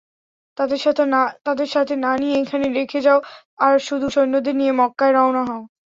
তাদের সাথে না নিয়ে এখানে রেখে যাও আর শুধু সৈন্যদের নিয়ে মক্কায় রওনা হও।